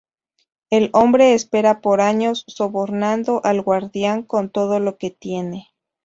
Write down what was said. El hombre espera por años, sobornando al guardián con todo lo que tiene.